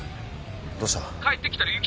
どうした？